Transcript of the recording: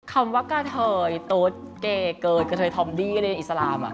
คำว่ากะเทยตุ๊ดเก๋เกิดกระเทยทอมดี้ในอิสลาม